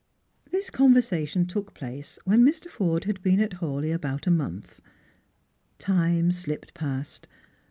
This conversation took place when Mr. Forde had been at Hawleigh about a month. Time slipped past.